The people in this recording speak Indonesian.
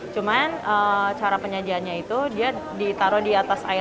cuman cara penyajiannya itu dia ditaruh di atas air